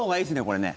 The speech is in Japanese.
これね。